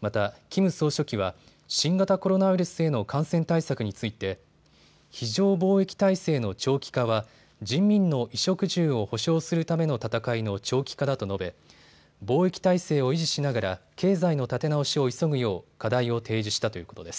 またキム総書記は新型コロナウイルスへの感染対策について非常防疫態勢の長期化は人民の衣食住を保障するための闘いの長期化だと述べ防疫態勢を維持しながら経済の立て直しを急ぐよう課題を提示したということです。